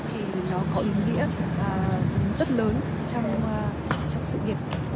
thì nó có ý nghĩa rất lớn trong sự nghiệp công an của công an nhân dân